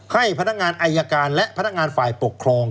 ให้พนักงานอายการและพนักงานฝ่ายปกครอง